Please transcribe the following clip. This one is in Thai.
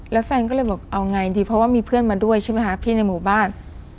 แล้วแฟนก็เลยบอกเอาไงดีเพราะว่ามีเพื่อนมาด้วยใช่ไหมคะพี่ในหมู่บ้าน